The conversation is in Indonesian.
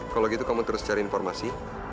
kalau gitu kamu terus cari informasi